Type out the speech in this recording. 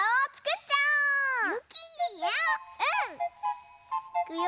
うん！いくよ。